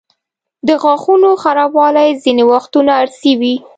د غاښونو خرابوالی ځینې وختونه ارثي وي.